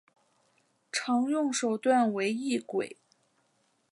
常用手段为异轨。